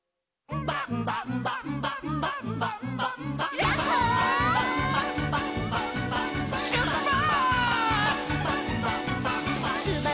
「ンバンバンバンバンバンバンバンバ」「」「」「」